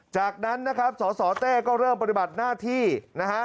จากนั้นนะครับสสเต้ก็เริ่มปฏิบัติหน้าที่นะฮะ